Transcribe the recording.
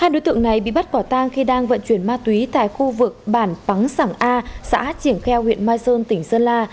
hai đối tượng này bị bắt quả tang khi đang vận chuyển ma túy tại khu vực bản pắng sảng a xã triển kheo huyện mai sơn tỉnh sơn la